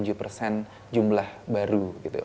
jadi persen jumlah baru